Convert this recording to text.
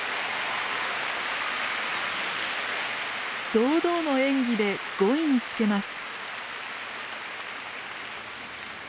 堂々の演技で５位につけます。